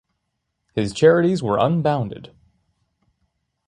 His charities were unbounded.